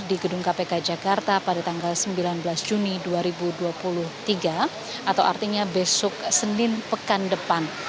di gedung kpk jakarta pada tanggal sembilan belas juni dua ribu dua puluh tiga atau artinya besok senin pekan depan